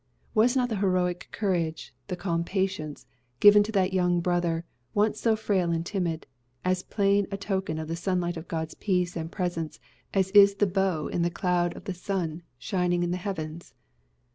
Was not the heroic courage, the calm patience, given to that young brother, once so frail and timid, as plain a token of the sunlight of God's peace and presence as is the bow in the cloud of the sun shining in the heavens?